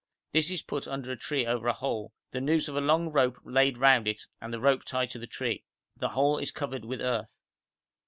This is put under a tree over a hole, the noose of a long rope laid round it and the rope tied to the tree; the whole is covered with earth.